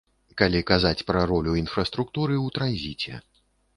Калі казаць пра ролю інфраструктуры ў транзіце.